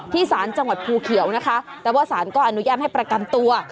สารจังหวัดภูเขียวนะคะแต่ว่าสารก็อนุญาตให้ประกันตัว